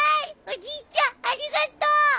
おじいちゃんありがとう。